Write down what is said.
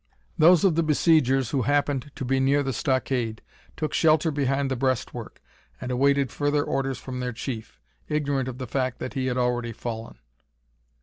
Those of the besiegers who happened to be near the stockade took shelter behind the breast work, and awaited further orders from their chief ignorant of the fact that he had already fallen.